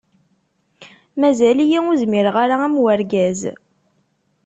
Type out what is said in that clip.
Mazal-iyi ur zmireɣ ara am urgaz.